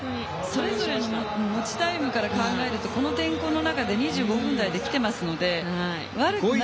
それぞれの持ちタイムから考えるとこの天候の中で２５分台で来ていますので悪くないです。